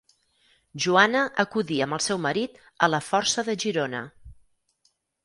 Joana acudí amb el seu marit a la Força de Girona.